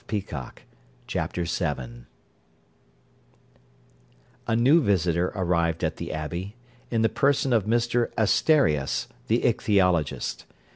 CHAPTER VII A new visitor arrived at the Abbey, in the person of Mr Asterias, the ichthyologist.